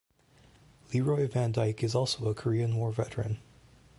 Leroy Van Dyke is also a Korean War veteran.